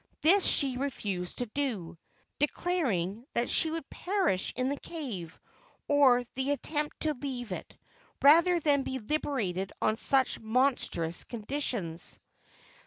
This she refused to do, declaring that she would perish in the cave, or the attempt to leave it, rather than be liberated on such monstrous conditions.